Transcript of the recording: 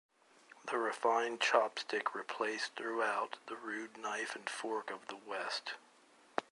The refined chopstick replaced throughout the rude knife and fork of the West.